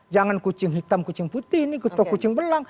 jangan kucing hitam kucing putih ini kuto kucing belang